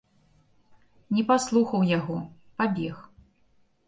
Не паслухаў яго, пабег.